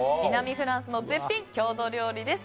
フランスの絶品郷土料理です。